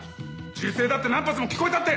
銃声だって何発も聞こえたって。